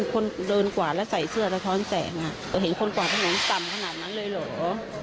คนเดินกวาดแล้วใส่เสื้อสะท้อนแสงเห็นคนกวาดถนนต่ำขนาดนั้นเลยเหรอ